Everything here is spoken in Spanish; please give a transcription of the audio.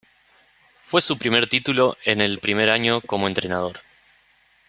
Fue su primer título en el primer año como entrenador.